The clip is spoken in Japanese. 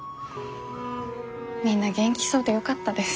みんな元気そうでよかったです。